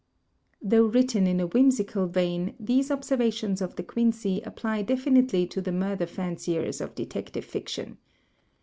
Though written in a whimsical vein, these observations of De Quincey apply definitely to the Murder Fanciers of Detective Fiction.